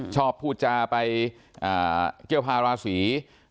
ชอบผู้จ่าไปเกี่ยวภาระศรี